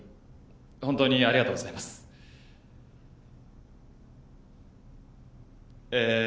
あっ。